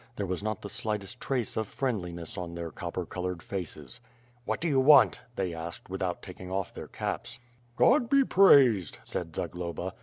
There was not the slightest trace of friendliness on their copper colored faces. "What do you want?'' they asked, without taking off their caps. "God be praised," said Zagloba.